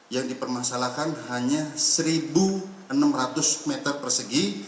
yang dipermasalahkan hanya satu enam ratus meter persegi